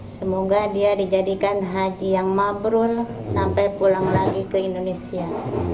semoga dia dijadikan haji yang mabrul sampai pulang lagi ke indonesia